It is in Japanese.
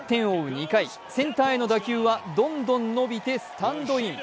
２回、センターへの打球はどんどん伸びてスタンドイン！